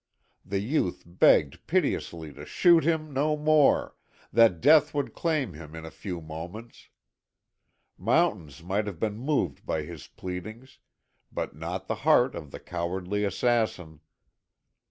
The youth begged piteously to shoot him no more, that death would claim him in a few moments. Mountains might have been moved by his pleadings, but not the heart of the cowardly assassin.